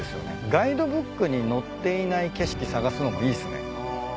ガイドブックに載っていない景色探すのもいいっすね。